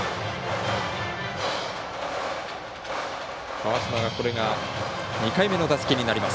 川島がこれが２回目の打席になります。